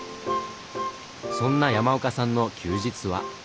そんな山岡さんの休日は？